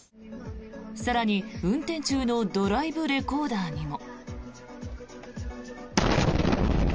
更に、運転中のドライブレコーダーにも。